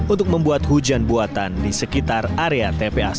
untuk mengembangkan asap pekan